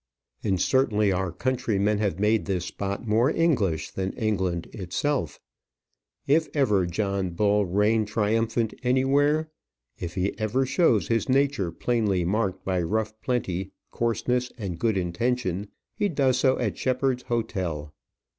And certainly our countrymen have made this spot more English than England itself. If ever John Bull reigned triumphant anywhere; if he ever shows his nature plainly marked by rough plenty, coarseness, and good intention, he does so at Shepheard's hotel.